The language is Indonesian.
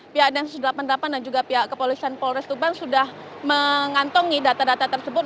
pihak dpr seribu delapan ratus delapan puluh delapan dan juga pihak kepolisian polres tuban sudah mengantongi data data tersebut